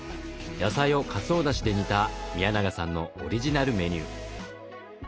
野菜をかつおだしで煮た宮永さんのオリジナルメニュー。